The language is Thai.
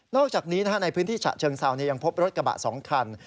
อกจากนี้ในพื้นที่ฉะเชิงเซายังพบรถกระบะ๒คัน